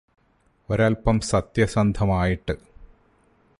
ഒരൽപം സത്യസന്ധമായിട്ട്